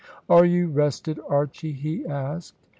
"Are you rested, Archy?" he asked.